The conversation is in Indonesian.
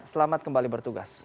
selamat kembali bertugas